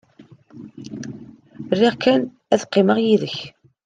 Riɣ kan ad qqimeɣ yid-k.